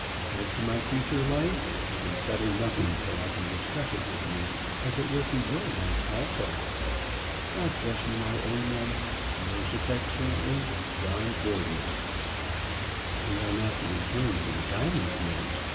As to my future life, I can settle nothing till I can discuss it with you, as it will be your life also. God bless you, my own one. Yours affectionately, JOHN GORDON. We are not to return to the diamond fields.